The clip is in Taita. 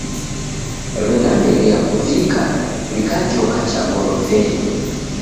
W'endameria kuvika, w'ikajoka cha gorofenyi.